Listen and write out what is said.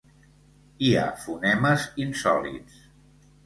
Hi ha fonemes insòlits.